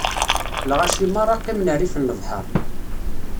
Lɣaci meṛṛa qqimen rrif n lebḥeṛ.